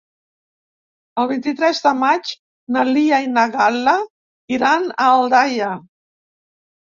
El vint-i-tres de maig na Lia i na Gal·la iran a Aldaia.